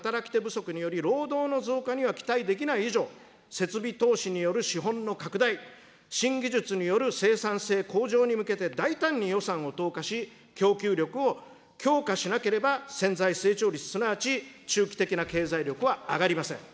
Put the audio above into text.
人口減少による働き手不足により労働のが期待できない以上、設備投資による資本の拡大、新技術による生産性向上に向けて大胆に予算を投下し、供給力を強化しなければ潜在成長率、すなわち中期的な経済力は上がりません。